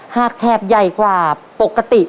แถบใหญ่กว่าปกติ